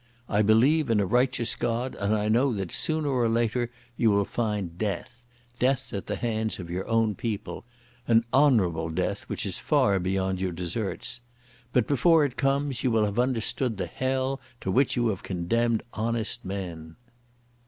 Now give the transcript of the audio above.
I believe in a righteous God and I know that sooner or later you will find death—death at the hands of your own people—an honourable death which is far beyond your deserts. But before it comes you will have understood the hell to which you have condemned honest men."